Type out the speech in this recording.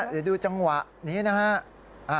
เดี๋ยวดูจังหวะนี้นะฮะ